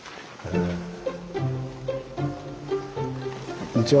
こんにちは。